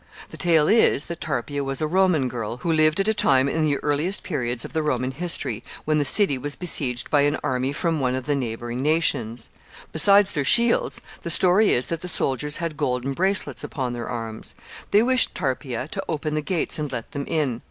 The tale is, that Tarpeia was a Roman girl, who lived at a time in the earliest periods of the Roman history, when the city was besieged by an army from are of the neighboring nations. Besides their shields, the story is that the soldiers had golden bracelets upon their arms. They wished Tarpeia to open the gates and let them in.